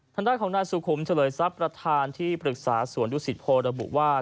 ทางด้านของนายสุขุมเฉลยทรัพย์ประธานที่ปรึกษาสวนดุสิตโพระบุว่า